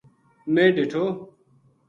میں ڈِٹھو